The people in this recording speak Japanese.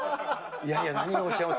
いやいや、何をおっしゃいます。